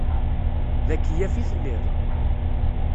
D akeyyaf i telliḍ?